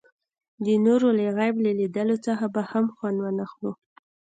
د نورو له عیب له لیدلو څخه به هم خوند وانخلو.